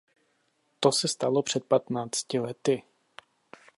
To se stalo před patnácti lety.